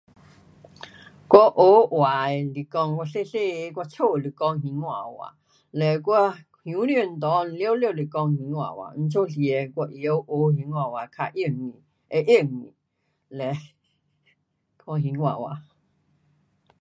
我学话的是讲我小小个，我家是讲兴华话，嘞我乡村内全部是讲兴华话，所以是的我会晓讲兴华话较容易，会容易。嘞 看兴华话。